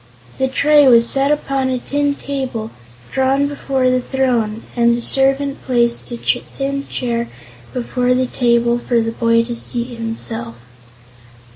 The tray was set upon a tin table drawn before the throne, and the servant placed a tin chair before the table for the boy to seat himself.